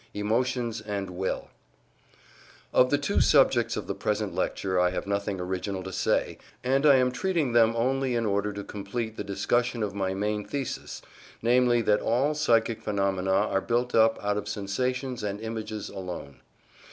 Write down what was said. EMOTIONS AND WILL On the two subjects of the present lecture I have nothing original to say, and I am treating them only in order to complete the discussion of my main thesis, namely that all psychic phenomena are built up out of sensations and images alone.